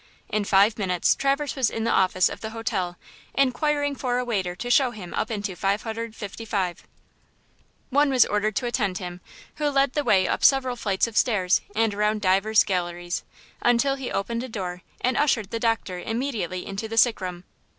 In five minutes, Traverse was in the office of the hotel, inquiring for a waiter to show him up into 555. One was ordered to attend him, who led the way up several flights of stairs and around divers galleries, until he opened a door and ushered the doctor immediately into the sick room.